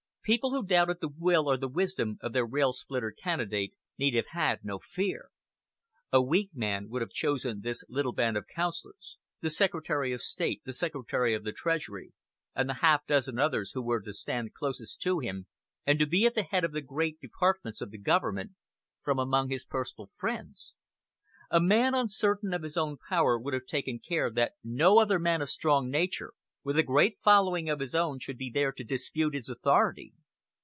People who doubted the will or the wisdom of their Rail splitter Candidate need have had no fear. A weak man would have chosen this little band of counselors the Secretary of State, the Secretary of the Treasury, and the half dozen others who were to stand closest to him and to be at the head of the great departments of the government from among his personal friends. A man uncertain of his own power would have taken care that no other man of strong nature with a great following of his own should be there to dispute his authority.